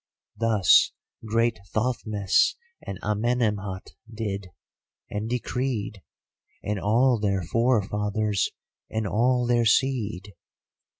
Thus great Thothmes and Amenemhat did and decreed, and all their forefathers and all their seed.